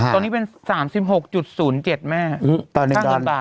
ตอนนี้เป็นสามสิบหกจุดศูนย์เจ็ดแม่อืมตอนหนึ่งได้